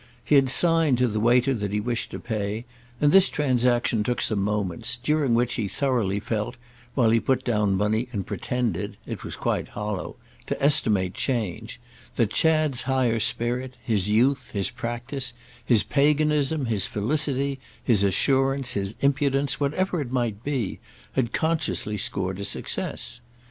He had signed to the waiter that he wished to pay, and this transaction took some moments, during which he thoroughly felt, while he put down money and pretended—it was quite hollow—to estimate change, that Chad's higher spirit, his youth, his practice, his paganism, his felicity, his assurance, his impudence, whatever it might be, had consciously scored a success.